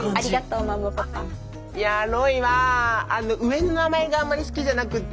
いやロイは上の名前があんまり好きじゃなくって。